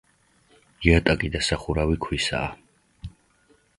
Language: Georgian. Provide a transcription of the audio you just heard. იატაკი და სახურავი ქვისაა.